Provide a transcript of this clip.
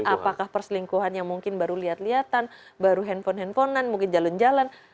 apakah perselingkuhan yang mungkin baru lihat lihatan baru handphone handphonean mungkin jalan jalan